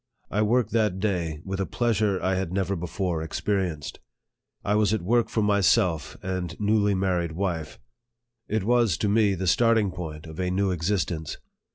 I worked that day with a pleasure I had never before experienced. I was at work for myself and newly married wife. It was to me the starting point of a new existence.